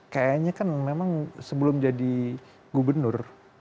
kayaknya kan memang sebelum jadi gubernur